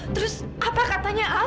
terus apa katanya al